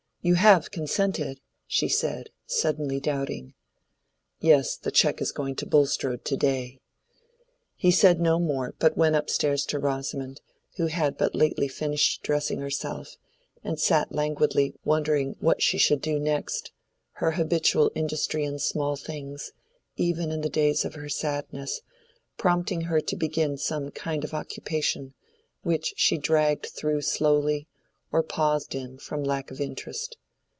You have consented?" she said, suddenly doubting. "Yes, the check is going to Bulstrode to day." He said no more, but went up stairs to Rosamond, who had but lately finished dressing herself, and sat languidly wondering what she should do next, her habitual industry in small things, even in the days of her sadness, prompting her to begin some kind of occupation, which she dragged through slowly or paused in from lack of interest.